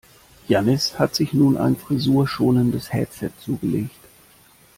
Jannis hat sich nun ein frisurschonendes Headset zugelegt.